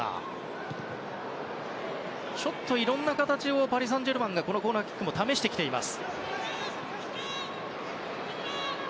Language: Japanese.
いろんな形をパリ・サンジェルマンがこのコーナーキックも試してきています。